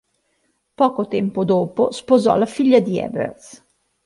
Poco tempo dopo sposò la figlia di Ebers.